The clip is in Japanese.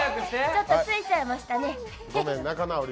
ちょっとついちゃいましたね、フフ。